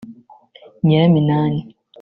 Nyiraminani